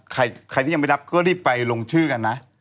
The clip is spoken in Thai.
ใครที่ยังไม่รับก็รีบไปลงชื่อกันนะ